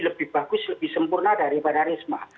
lebih bagus lebih sempurna daripada risma